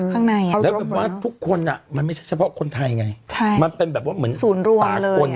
ข้างในแล้วแบบว่าทุกคนอ่ะมันไม่ใช่เฉพาะคนไทยไงใช่มันเป็นแบบว่าเหมือนศูนย์รวมตาคน